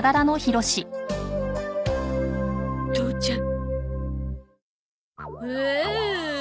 父ちゃん。